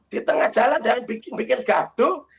di tengah jalan dan bikin bikin gaduh